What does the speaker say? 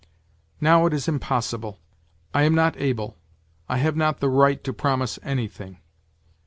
Now it is impossible, I am not able, I have not the right to promise anything.